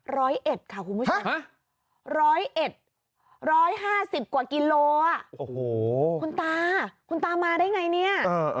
ร้อยเอ็ดค่ะคุณผู้ชมร้อยเอ็ดร้อยห้าสิบกว่ากิโลอ่ะโอ้โหคุณตาคุณตามาได้ไงเนี่ย